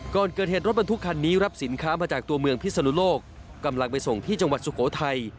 ก่อนเกิดเหตุรถบรรทุกคันนี้รับสินค้ามาจากตัวเมืองพิศนุโลกกำลังไปส่งที่จังหวัดสุโขทัย